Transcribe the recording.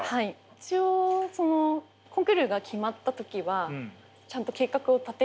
一応コンクールが決まった時はちゃんと計画を立てるんですよ